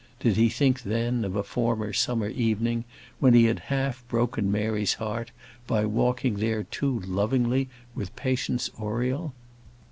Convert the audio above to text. Did he think then of a former summer evening, when he had half broken Mary's heart by walking there too lovingly with Patience Oriel?